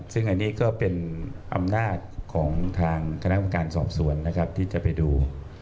ซึ่งอันนี้ก็เป็นอำนาจของทางคณะกรรมการสอบสวนนะครับที่จะไปดู